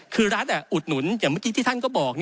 คือรัฐอุดหนุนอย่างเมื่อกี้ที่ท่านก็บอก